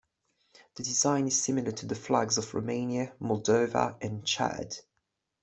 The design is similar to the flags of Romania, Moldova, and Chad.